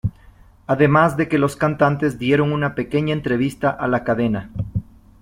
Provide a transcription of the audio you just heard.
Además de que los cantantes dieron una pequeña entrevista a la cadena.